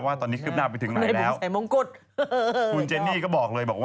ว่าตอนนี้ขึ้นหน้าไปถึงไหนแล้ว